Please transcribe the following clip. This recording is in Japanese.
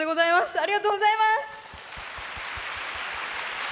ありがとうございます。